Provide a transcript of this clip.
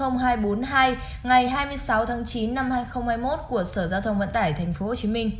ngày hai mươi sáu tháng chín năm hai nghìn hai mươi một của sở giao thông vận tải tp hcm